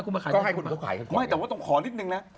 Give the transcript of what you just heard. ก็ให้คนอื่นเขาขายกันด้วย